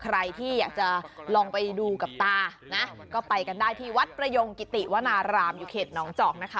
ใครที่อยากจะลองไปดูกับตานะก็ไปกันได้ที่วัดประยงกิติวนารามอยู่เขตน้องจอกนะคะ